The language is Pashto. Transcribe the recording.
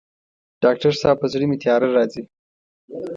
ډاکټر صاحب په زړه مي تیاره راځي